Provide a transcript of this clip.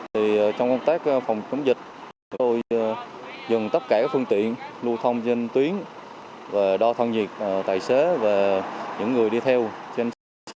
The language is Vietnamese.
trong công tác phòng chống dịch chúng tôi dừng tất cả các phương tiện lưu thông trên tuyến đo thân nhiệt tài xế và những người đi theo trên xe